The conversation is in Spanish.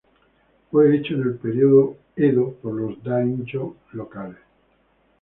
Fue hecho en el período Edo por los "daimyō" locales.